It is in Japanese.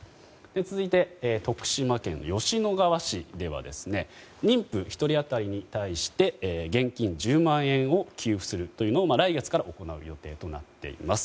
続いて、徳島県吉野川市では妊婦１人当たりに対して現金１０万円を給付するというのを来月から行う予定となっています。